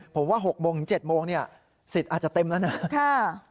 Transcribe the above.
ผมว่า๖โมงถึง๗โมงเนี่ยสิทธิ์อาจจะเต็มแล้วนะ